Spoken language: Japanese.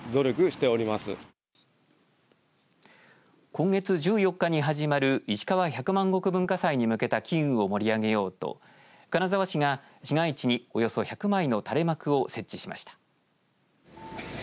今月１４日に始まるいしかわ百万石文化祭に向けた機運を盛り上げようと金沢市が市街地におよそ１００枚の垂れ幕を設置しました。